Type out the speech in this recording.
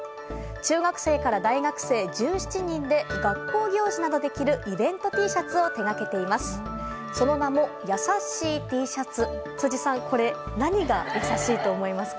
中学生から大学生１７人で学校行事などで着るイベントＴシャツを手がけています。